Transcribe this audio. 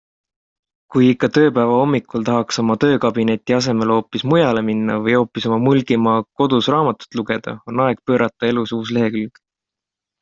Kui ikka tööpäeva hommikul tahaks oma töökabineti asemel hoopis mujale minna või hoopis oma Mulgimaa kodus raamatut lugeda, on aeg pöörata elus uus lehekülg.